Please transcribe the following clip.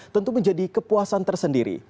tentu menjadi kepuasan tersendiri